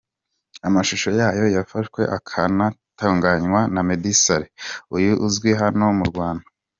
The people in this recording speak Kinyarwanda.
amashusho yayo yafashwe akanatunganywa na Meddy Saleh uyu uzwi hano mu Rwanda